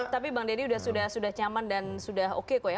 tapi bang deddy sudah nyaman dan sudah oke kok ya